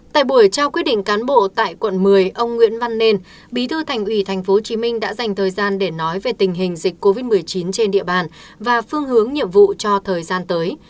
tại buổi trao quyết định cán bộ tại quận một mươi ông nguyễn văn nên bí thư thành ủy tp hcm đã dành thời gian để nói về tình hình dịch covid một mươi chín trên địa bàn và phương hướng nhiệm vụ cho thời gian tới